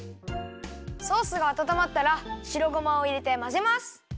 ソースがあたたまったらしろごまをいれてまぜます。